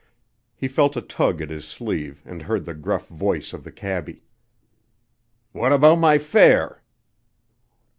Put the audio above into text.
He felt a tug at his sleeve and heard the gruff voice of the cabby. "What about my fare?"